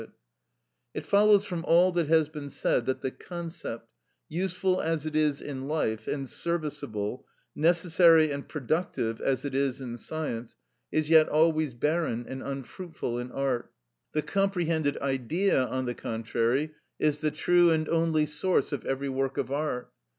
It follows from all that has been said, that the concept, useful as it is in life, and serviceable, necessary and productive as it is in science, is yet always barren and unfruitful in art. The comprehended Idea, on the contrary, is the true and only source of every work of art.